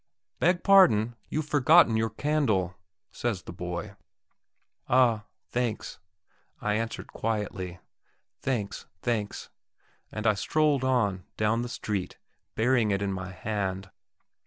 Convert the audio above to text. "Beg pardon, you've forgotten your candle," says the boy. "Ah, thanks," I answered quietly. "Thanks, thanks"; and I strolled on, down the street, bearing it in my hand.